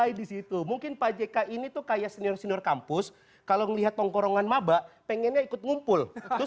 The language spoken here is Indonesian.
yg disitu mungkin pajakai flight ew kampus kalau melihat tongkorongan mabak pengennya ikut kumpul